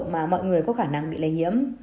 mà mọi người có khả năng bị lây nhiễm